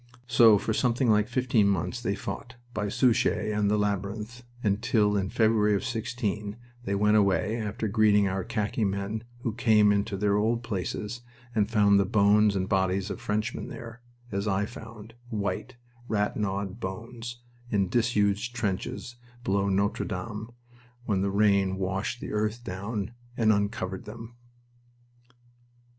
So for something like fifteen months they fought, by Souchez and the Labyrinth, until in February of '16 they went away after greeting our khaki men who came into their old places and found the bones and bodies of Frenchmen there, as I found, white, rat gnawed bones, in disused trenches below Notre Dame when the rain washed the earth down and uncovered them.